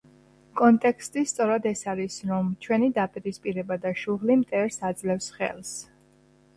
კონტექსტი სწორედ ეს არის, რომ ჩვენი დაპირისპირება და შუღლი მტერს აძლევს ხელს.